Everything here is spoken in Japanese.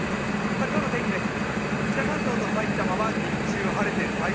今日の天気です。